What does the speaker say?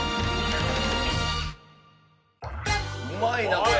うまいなこれ！